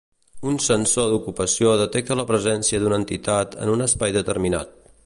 Un sensor d'ocupació detecta la presència d'una entitat en un espai determinat.